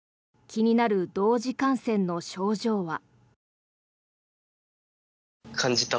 気になる同時感染の症状は。